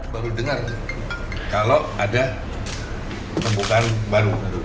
baru dengar kalau ada pembukaan baru